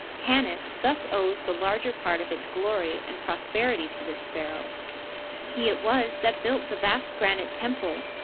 Tanis thus owes the larger part of its glory and prosper ity to this pharaoh. He it was that built the vast granite temple.